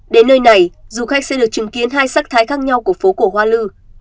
đến nơi này du khách sẽ được chứng kiến hai sắc thái khác nhau của phố cổ hoa lư